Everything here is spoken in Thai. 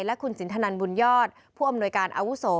และคุณสินทนันบุญยอดผู้อำนวยการอาวุโส